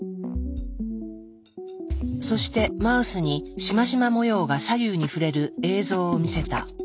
そしてマウスにしましま模様が左右に振れる映像を見せた。